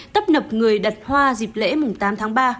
tấp nập người đặt hoa dịp lễ tám tháng ba